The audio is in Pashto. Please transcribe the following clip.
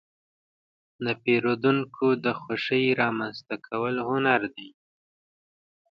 د پیرودونکو د خوښې رامنځته کول هنر دی.